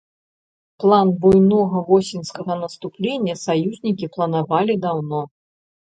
План буйнога восеньскага наступлення саюзнікі планавалі даўно.